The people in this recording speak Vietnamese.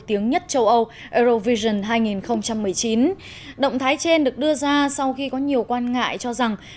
tiếng nhất châu âu eurovision hai nghìn một mươi chín động thái trên được đưa ra sau khi có nhiều quan ngại cho rằng